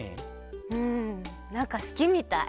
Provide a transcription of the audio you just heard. うんなんかすきみたい！